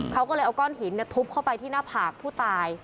เขาก็เลยเอาก้อนหินทุบเข้าไปที่หน้าผากผู้ตาย